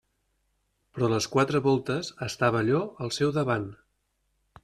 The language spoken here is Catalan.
Però les quatre voltes estava allò al seu davant.